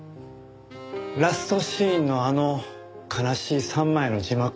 ラストシーンのあの悲しい３枚の字幕。